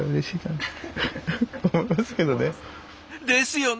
ですよね！